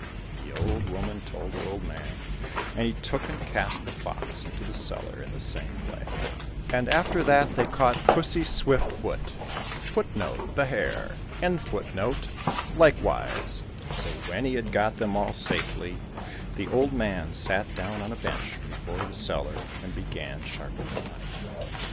The old woman told her old man, and he took and cast the fox into the cellar in the same way. And after that they caught Pussy Swift foot ^ likewise. So when he had got them all safely, the old man sat down on a bench before the cellar and began sharpening a knife.